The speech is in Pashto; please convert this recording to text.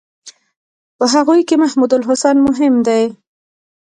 په هغوی کې محمودالحسن مهم و.